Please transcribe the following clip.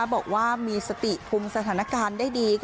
บอกว่ามีสติคุมสถานการณ์ได้ดี